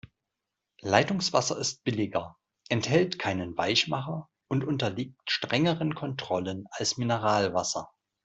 Leitungswasser ist billiger, enthält keinen Weichmacher und unterliegt strengeren Kontrollen als Mineralwasser.